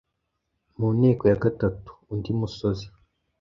Mu nteko ya gatatu: Undi musozi